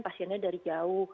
pasiennya dari jauh